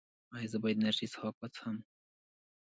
ایا زه باید انرژي څښاک وڅښم؟